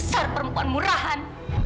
sar perempuan murahan